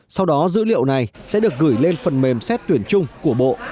sau đó dữ liệu này sẽ được gửi lên phần mềm xét tuyển chung của bộ